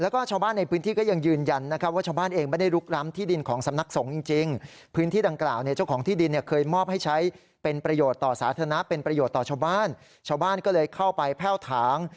เข้าไปแพร่วถาง